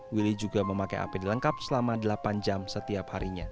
willy juga memakai apd lengkap selama delapan jam setiap harinya